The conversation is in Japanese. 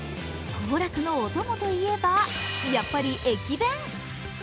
行楽のお供といえばやっぱり駅弁。